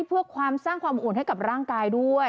เพื่อสร้างความอวดให้กับร่างกายด้วย